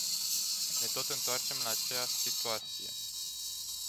Ne tot întoarcem la aceeași situație.